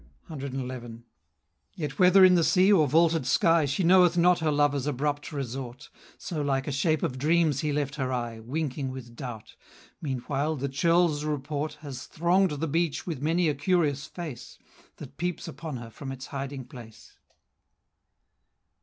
CXI. Yet whether in the sea or vaulted sky, She knoweth not her lover's abrupt resort, So like a shape of dreams he left her eye, Winking with doubt. Meanwhile, the churls' report Has throng'd the beach with many a curious face, That peeps upon her from its hiding place.